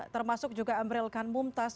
termasuk juga amril kan mumtaz